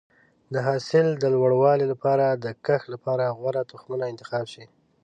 د حاصل د لوړوالي لپاره د کښت لپاره غوره تخمونه انتخاب شي.